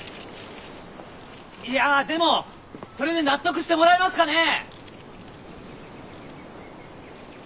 いやでもそれで納得してもらえますかねぇ。